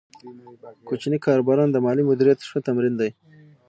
کوچني کاروبارونه د مالي مدیریت ښه تمرین دی۔